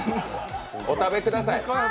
お食べください。